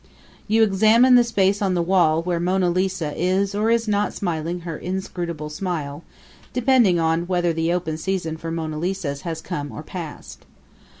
You examine the space on the wall where Mona Lisa is or is not smiling her inscrutable smile, depending on whether the open season for Mona Lisas has come or has passed.